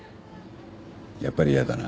やっぱり嫌だな。